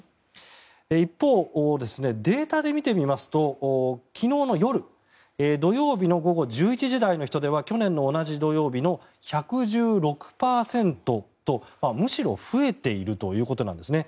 一方、データで見てみますと昨日の夜土曜日の午後１１時台の人出は去年の同じ土曜日の１１６％とむしろ増えているということなんですね。